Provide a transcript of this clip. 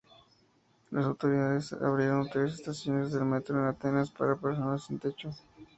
Las autoridades abrieron tres estaciones del Metro de Atenas para personas sin techo.